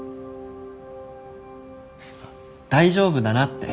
大丈夫だなって。